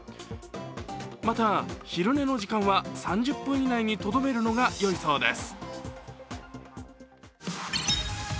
また昼寝の時間は３０分以内にとどめるのがよいそうです。